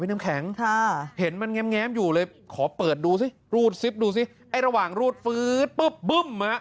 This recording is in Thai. น้ำแข็งเห็นมันแง้มอยู่เลยขอเปิดดูสิรูดซิปดูสิไอ้ระหว่างรูดฟื๊ดปุ๊บบึ้ม